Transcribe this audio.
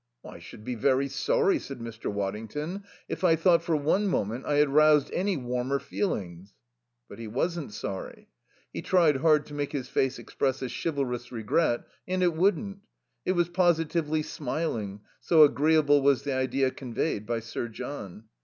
"I should be very sorry," said Mr. Waddington, "if I thought for one moment I had roused any warmer feelings " But he wasn't sorry. He tried hard to make his face express a chivalrous regret, and it wouldn't. It was positively smiling, so agreeable was the idea conveyed by Sir John.